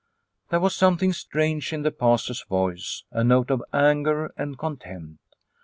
There was something strange in the Pastor's voice, a note of anger and contempt.